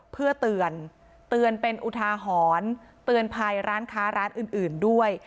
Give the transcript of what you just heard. เพื่อเตือนเตือนเป็นอุทาหรณ์เตือนภัยร้านค้าร้านอื่นด้วย